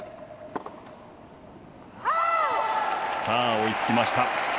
追いつきました。